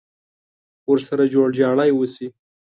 ورسره جوړ جاړی وشي.